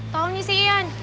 tau nih si ian